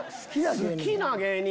好きな芸人。